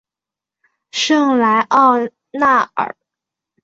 圣莱奥纳尔。